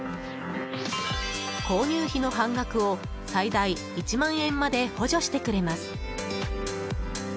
購入費の半額を最大１万円まで補助してくれます。